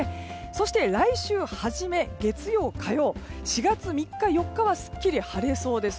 そして来週初め月曜、火曜４月３日、４日はすっきり晴れそうです。